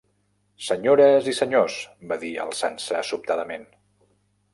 "Senyores i senyors", va dir alçant-se sobtadament.